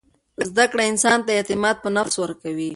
زده کړه انسان ته اعتماد په نفس ورکوي.